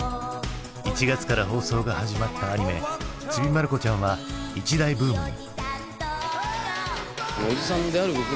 １月から放送が始まったアニメ「ちびまる子ちゃん」は一大ブームに。